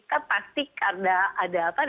setiap pembuatan undang undang ini